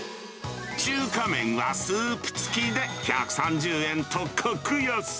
中華麺はスープ付きで１３０円と格安。